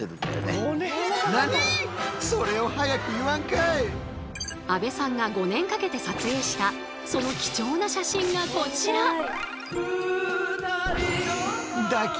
この日阿部さんが５年かけて撮影したその貴重な写真がこちら。